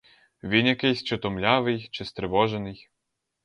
Він якийсь чи то млявий, чи стривожений.